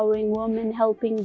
mereka harus belajar sifat